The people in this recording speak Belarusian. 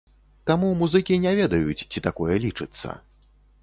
Таму музыкі не ведаюць, ці такое лічыцца.